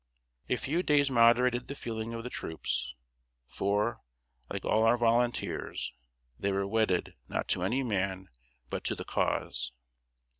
A few days moderated the feeling of the troops; for, like all our volunteers, they were wedded not to any man, but to the Cause.